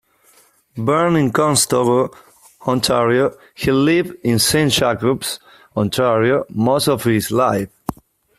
Born in Conestogo, Ontario, he lived in Saint Jacobs, Ontario most of his life.